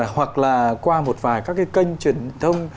hoặc là qua một vài các cái kênh truyền thông